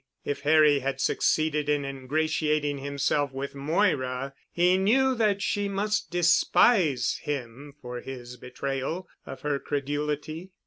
If Harry had succeeded in ingratiating himself with Moira he knew that she must despise him for his betrayal of her credulity.